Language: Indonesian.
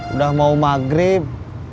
udah mau maghrib